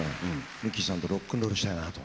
ミッキーさんとロックンロールしたいなと。